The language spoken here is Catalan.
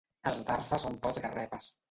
Els d'Arfa són tots garrepes.